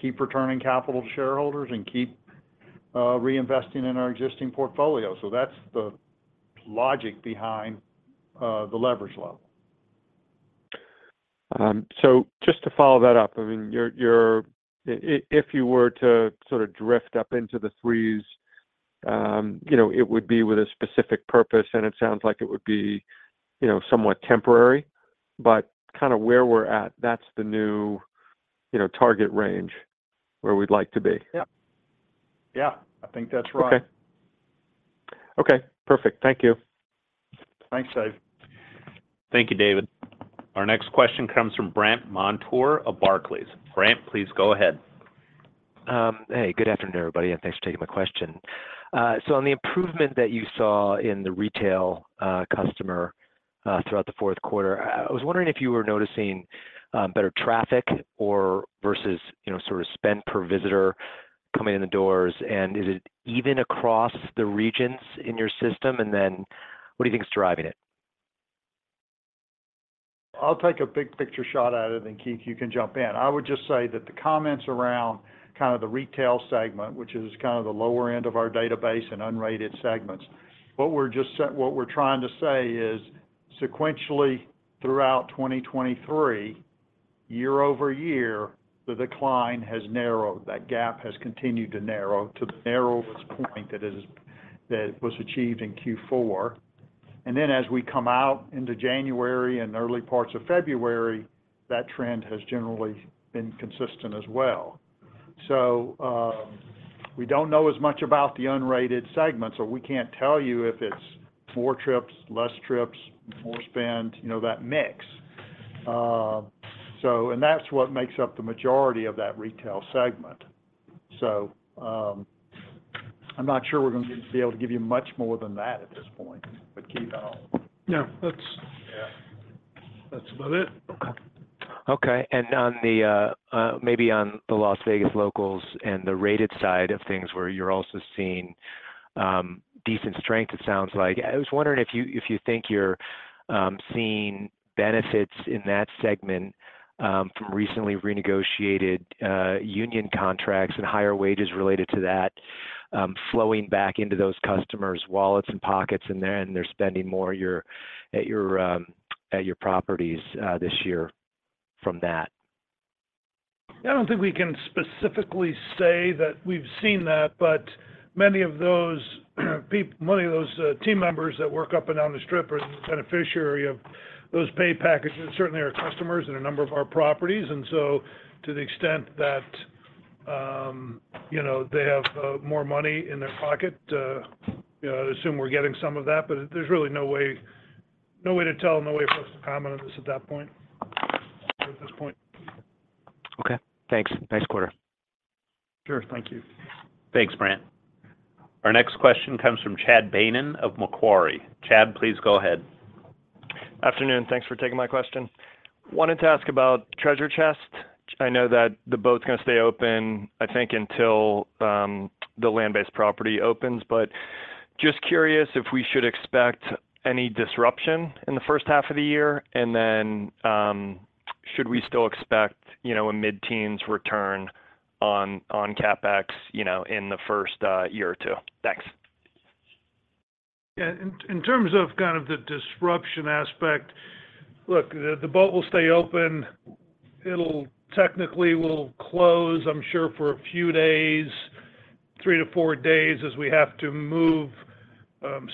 S3: keep returning capital to shareholders and keep reinvesting in our existing portfolio. So that's the logic behind the leverage level.
S11: So just to follow that up, I mean, if you were to sort of drift up into the threes, it would be with a specific purpose, and it sounds like it would be somewhat temporary. But kind of where we're at, that's the new target range where we'd like to be.
S3: Yeah. Yeah. I think that's right.
S11: Okay. Okay. Perfect. Thank you.
S3: Thanks, David.
S1: Thank you, David. Our next question comes from Brandt Montour of Barclays. Brandt, please go ahead.
S12: Hey. Good afternoon, everybody, and thanks for taking my question. So on the improvement that you saw in the retail customer throughout the fourth quarter, I was wondering if you were noticing better traffic versus sort of spend per visitor coming in the doors. And is it even across the regions in your system? And then what do you think's driving it?
S3: I'll take a big picture shot at it, and then Keith, you can jump in. I would just say that the comments around kind of the retail segment, which is kind of the lower end of our database and unrated segments, what we're trying to say is sequentially throughout 2023, year over year, the decline has narrowed. That gap has continued to narrow to the narrowest point that was achieved in Q4. And then as we come out into January and early parts of February, that trend has generally been consistent as well. So we don't know as much about the unrated segments, so we can't tell you if it's more trips, less trips, more spend, that mix. And that's what makes up the majority of that retail segment. So I'm not sure we're going to be able to give you much more than that at this point, but Keith, I don't know.
S2: Yeah. That's about it. Okay.
S12: Okay. And maybe on the Las Vegas locals and the rated side of things where you're also seeing decent strength, it sounds like. I was wondering if you think you're seeing benefits in that segment from recently renegotiated union contracts and higher wages related to that flowing back into those customers' wallets and pockets and they're spending more at your properties this year from that.
S2: Yeah. I don't think we can specifically say that we've seen that. But many of those people, many of those team members that work up and down the Strip are the beneficiaries of those pay packages, certainly our customers in a number of our properties. And so to the extent that they have more money in their pocket, I'd assume we're getting some of that. But there's really no way to tell and no way for us to comment on this at that point or at this point.
S12: Okay. Thanks. Nice quarter.
S2: Sure. Thank you.
S1: Thanks, Brandt. Our next question comes from Chad Beynon of Macquarie. Chad, please go ahead.
S13: Afternoon. Thanks for taking my question. Wanted to ask about the Treasure Chest. I know that the boat's going to stay open, I think, until the land-based property opens. But just curious if we should expect any disruption in the first half of the year, and then should we still expect a mid-teens return on CapEx in the first year or two? Thanks.
S2: Yeah. In terms of kind of the disruption aspect, look, the boat will stay open. It technically will close, I'm sure, for a few days, three to four days, as we have to move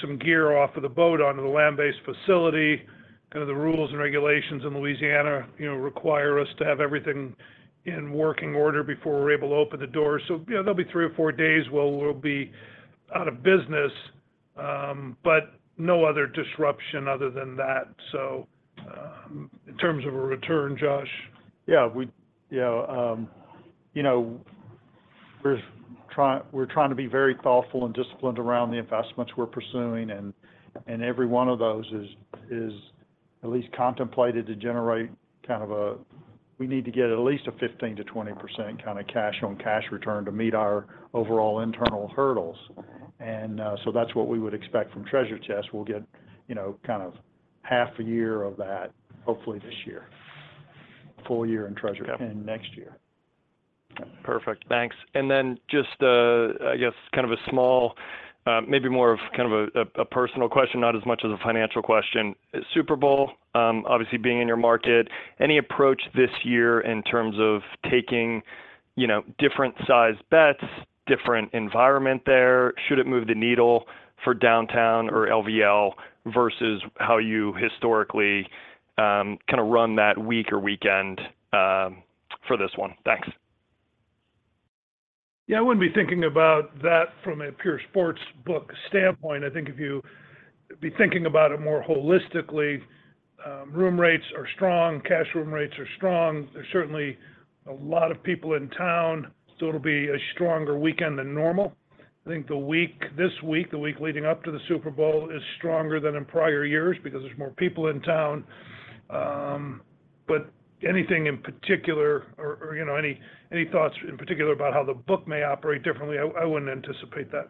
S2: some gear off the boat onto the land-based facility. Kind of the rules and regulations in Louisiana require us to have everything in working order before we're able to open the doors. So there'll be three or four days where we'll be out of business, but no other disruption other than that. So in terms of a return, Josh.
S3: Yeah. Yeah. We're trying to be very thoughtful and disciplined around the investments we're pursuing. And every one of those is at least contemplated to generate kind of a we need to get at least a 15%-20% kind of cash-on-cash return to meet our overall internal hurdles. And so that's what we would expect from Treasure Chest. We'll get kind of half a year of that, hopefully, this year, full year in Treasure and next year.
S13: Perfect. Thanks. And then just, I guess, kind of a small maybe more of kind of a personal question, not as much as a financial question. Super Bowl, obviously being in your market, any approach this year in terms of taking different-sized bets, different environment there? Should it move the needle for Downtown or LVL versus how you historically kind of run that week or weekend for this one? Thanks.
S2: Yeah. I wouldn't be thinking about that from a pure sports book standpoint. I think if you be thinking about it more holistically, room rates are strong. Cash room rates are strong. There's certainly a lot of people in town, so it'll be a stronger weekend than normal. I think this week, the week leading up to the Super Bowl, is stronger than in prior years because there's more people in town. But anything in particular or any thoughts in particular about how the book may operate differently, I wouldn't anticipate that.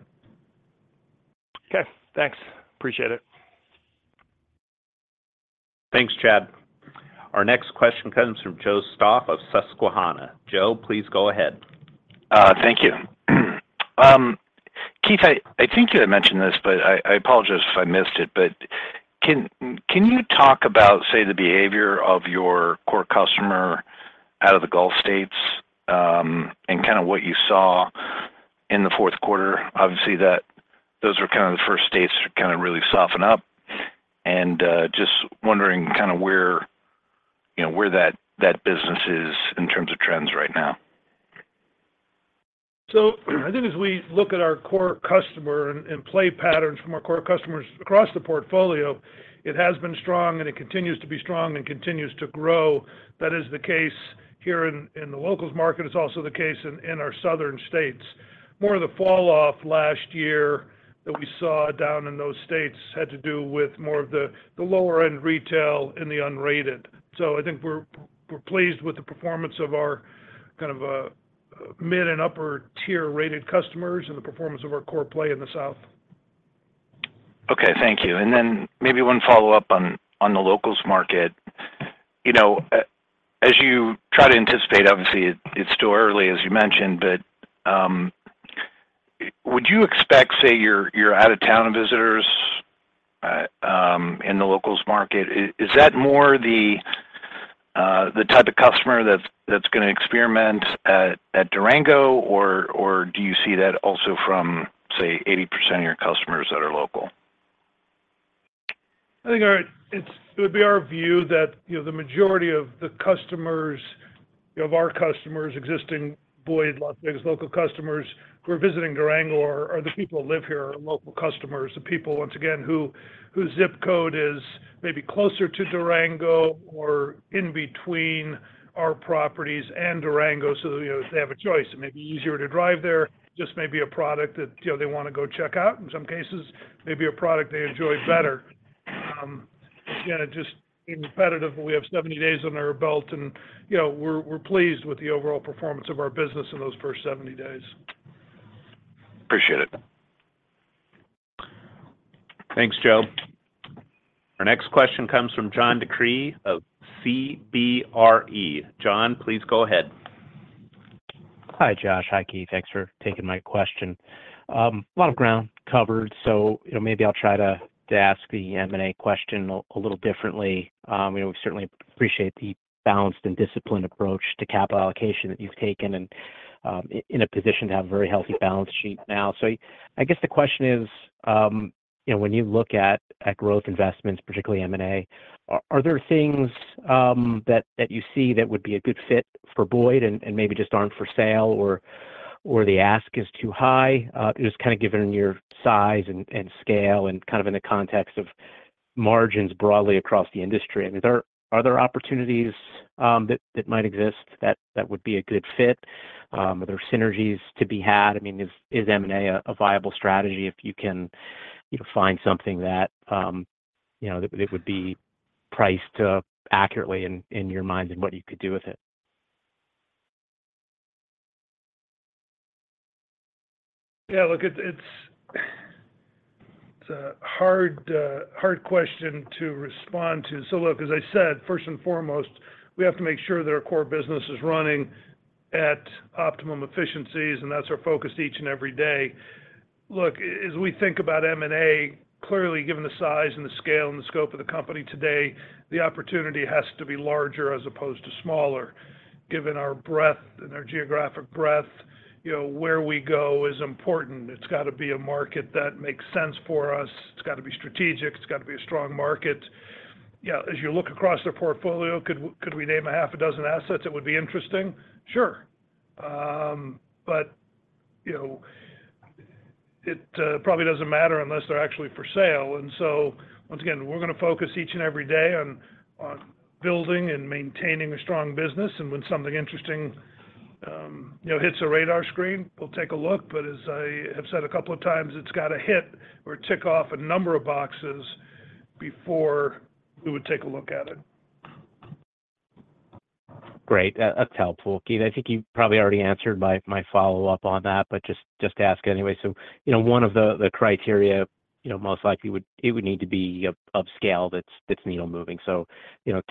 S13: Okay. Thanks. Appreciate it.
S1: Thanks, Chad. Our next question comes from Joe Stauff of Susquehanna. Joe, please go ahead.
S14: Thank you. Keith, I think you had mentioned this, but I apologize if I missed it. But can you talk about, say, the behavior of your core customer out of the Gulf States and kind of what you saw in the fourth quarter? Obviously, those were kind of the first states to kind of really soften up. And just wondering kind of where that business is in terms of trends right now.
S2: So I think as we look at our core customer and play patterns from our core customers across the portfolio, it has been strong, and it continues to be strong, and continues to grow. That is the case here in the locals market. It's also the case in our Southern states. More of the falloff last year that we saw down in those states had to do with more of the lower-end retail and the unrated. So I think we're pleased with the performance of our kind of mid and upper-tier rated customers and the performance of our core play in the South.
S14: Okay. Thank you. And then maybe one follow-up on the locals market. As you try to anticipate, obviously, it's still early, as you mentioned, but would you expect, say, your out-of-town visitors in the locals market, is that more the type of customer that's going to experiment at Durango, or do you see that also from, say, 80% of your customers that are local?
S2: I think it would be our view that the majority of the customers of our customers, existing Boyd, Las Vegas local customers who are visiting Durango are the people who live here, local customers, the people, once again, whose zip code is maybe closer to Durango or in between our properties and Durango. So they have a choice. It may be easier to drive there. Just maybe a product that they want to go check out in some cases, maybe a product they enjoy better. Again, it's just competitive, but we have 70 days on our belt, and we're pleased with the overall performance of our business in those first 70 days.
S14: Appreciate it.
S1: Thanks, Joe. Our next question comes from John DeCree of CBRE. John, please go ahead.
S15: Hi, Josh. Hi, Keith. Thanks for taking my question. A lot of ground covered, so maybe I'll try to ask the M&A question a little differently. We certainly appreciate the balanced and disciplined approach to capital allocation that you've taken and in a position to have a very healthy balance sheet now. So I guess the question is, when you look at growth investments, particularly M&A, are there things that you see that would be a good fit for Boyd and maybe just aren't for sale or the ask is too high, just kind of given your size and scale and kind of in the context of margins broadly across the industry? I mean, are there opportunities that might exist that would be a good fit? Are there synergies to be had? I mean, is M&A a viable strategy if you can find something that would be priced accurately in your minds and what you could do with it?
S2: Yeah. Look, it's a hard question to respond to. So look, as I said, first and foremost, we have to make sure that our core business is running at optimum efficiencies, and that's our focus each and every day. Look, as we think about M&A, clearly, given the size and the scale and the scope of the company today, the opportunity has to be larger as opposed to smaller. Given our breadth and our geographic breadth, where we go is important. It's got to be a market that makes sense for us. It's got to be strategic. It's got to be a strong market. As you look across their portfolio, could we name a half a dozen assets that would be interesting? Sure. But it probably doesn't matter unless they're actually for sale. And so once again, we're going to focus each and every day on building and maintaining a strong business. And when something interesting hits our radar screen, we'll take a look. But as I have said a couple of times, it's got to hit or tick off a number of boxes before we would take a look at it.
S15: Great. That's helpful, Keith. I think you probably already answered my follow-up on that, but just to ask anyway. So one of the criteria, most likely, it would need to be of scale that's needle-moving. So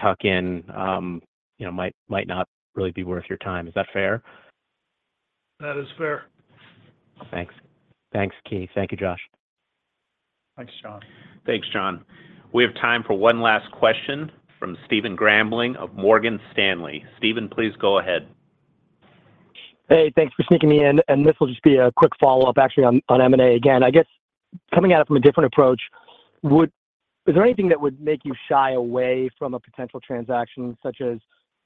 S15: tuck-in might not really be worth your time. Is that fair?
S2: That is fair.
S15: Thanks. Thanks, Keith. Thank you, Josh.
S2: Thanks, John.
S1: Thanks, John. We have time for one last question from Stephen Grambling of Morgan Stanley. Stephen, please go ahead.
S16: Hey. Thanks for sneaking me in. And this will just be a quick follow-up, actually, on M&A again. I guess coming at it from a different approach, is there anything that would make you shy away from a potential transaction, such as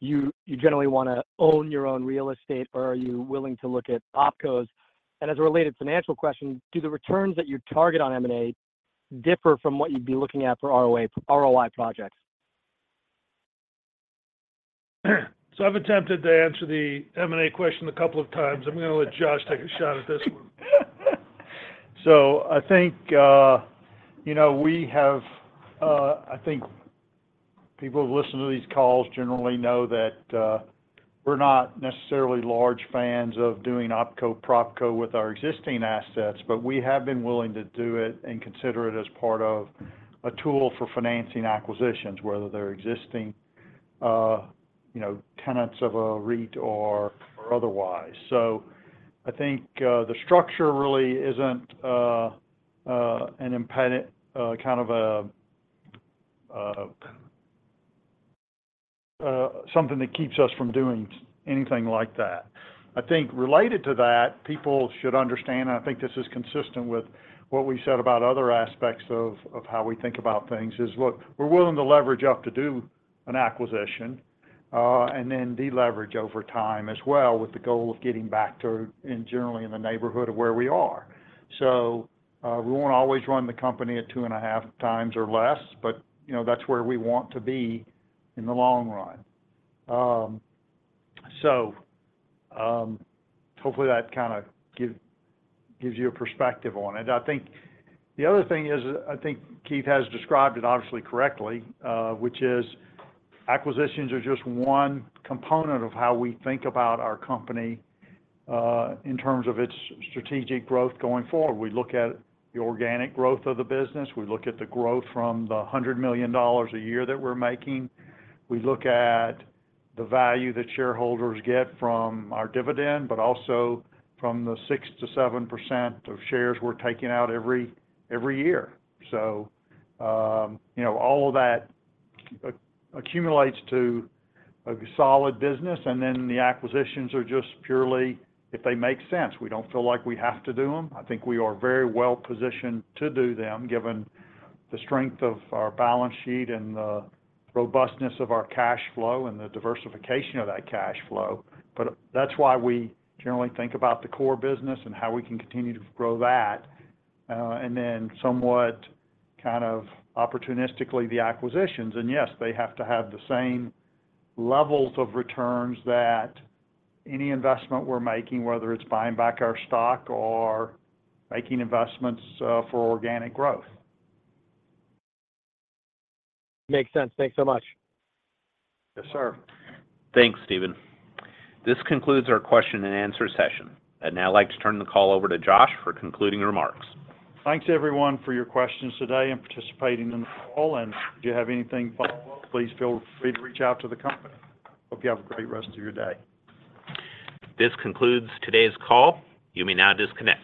S16: you generally want to own your own real estate, or are you willing to look at OpCo? And as a related financial question, do the returns that you target on M&A differ from what you'd be looking at for ROI projects?
S2: So I've attempted to answer the M&A question a couple of times. I'm going to let Josh take a shot at this one.
S3: So I think people who listen to these calls generally know that we're not necessarily large fans of doing OpCo, PropCo with our existing assets, but we have been willing to do it and consider it as part of a tool for financing acquisitions, whether they're existing tenants of a REIT or otherwise. So I think the structure really isn't kind of something that keeps us from doing anything like that. I think related to that, people should understand, and I think this is consistent with what we said about other aspects of how we think about things, is, look, we're willing to leverage up to do an acquisition and then de-leverage over time as well with the goal of getting back to and generally in the neighborhood of where we are. So we won't always run the company at 2.5x or less, but that's where we want to be in the long run. So hopefully, that kind of gives you a perspective on it. I think the other thing is, I think Keith has described it, obviously, correctly, which is acquisitions are just one component of how we think about our company in terms of its strategic growth going forward. We look at the organic growth of the business. We look at the growth from the $100 million a year that we're making. We look at the value that shareholders get from our dividend, but also from the 6%-7% of shares we're taking out every year. So all of that accumulates to a solid business. And then the acquisitions are just purely if they make sense. We don't feel like we have to do them. I think we are very well positioned to do them given the strength of our balance sheet and the robustness of our cash flow and the diversification of that cash flow. But that's why we generally think about the core business and how we can continue to grow that. And then somewhat kind of opportunistically, the acquisitions. And yes, they have to have the same levels of returns that any investment we're making, whether it's buying back our stock or making investments for organic growth.
S16: Makes sense. Thanks so much.
S3: Yes, sir.
S1: Thanks, Stephen. This concludes our question-and-answer session. I'd now like to turn the call over to Josh for concluding remarks.
S3: Thanks, everyone, for your questions today and for participating in the call. And if you have anything follow-up, please feel free to reach out to the company. Hope you have a great rest of your day.
S1: This concludes today's call. You may now disconnect.